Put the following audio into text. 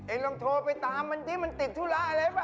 ลองโทรไปตามมันดิมันติดธุระอะไรป่